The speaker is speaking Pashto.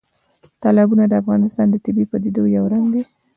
تالابونه د افغانستان د طبیعي پدیدو یو رنګ دی.